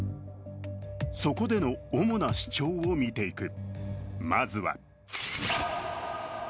そこでの主な主張を見ていく。